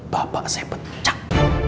bapak saya pecah